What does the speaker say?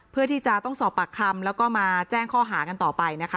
เพื่อที่จะต้องสอบปากคำแล้วก็มาแจ้งข้อหากันต่อไปนะคะ